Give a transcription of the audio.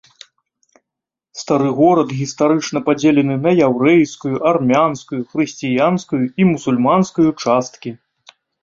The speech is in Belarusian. Стары горад гістарычна падзелены на яўрэйскую, армянскую, хрысціянскую і мусульманскую часткі.